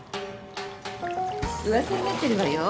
噂になってるわよ。